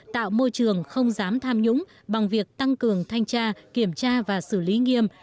tạo môi trường không dám tham nhũng bằng việc tăng cường thanh tra kiểm tra và xử lý nghiêm